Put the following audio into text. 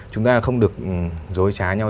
chúng ta không được dối trá nhau